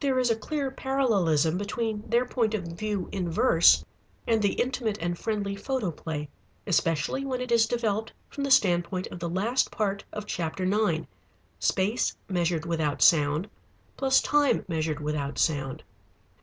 There is a clear parallelism between their point of view in verse and the Intimate and friendly Photoplay, especially when it is developed from the standpoint of the last part of chapter nine, space measured without sound plus time measured without sound.